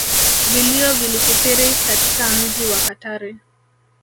Vilio vilikithiri katika mji wa katari